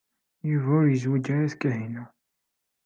Yuba ur yezwiǧ ara d Kahina.